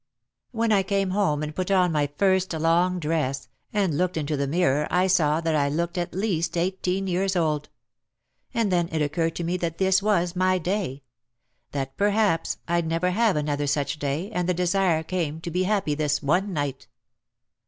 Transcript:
When I came home and put on my first long dress, and looked into the mirror I saw that I looked at least eighteen years old. And then it occurred to me that this was my day ! That per haps I'd never have another such day, and the desire came to be happy this one night.